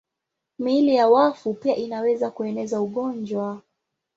Miili ya wafu pia inaweza kueneza ugonjwa.